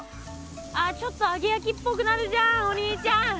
あちょっと揚げやきっぽくなるじゃんお兄ちゃん。